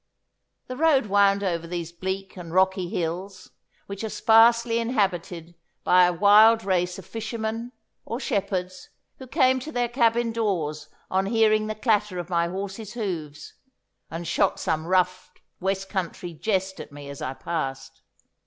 The road wound over these bleak and rocky hills, which are sparsely inhabited by a wild race of fishermen, or shepherds, who came to their cabin doors on hearing the clatter of my horse's hoofs, and shot some rough West country jest at me as I passed.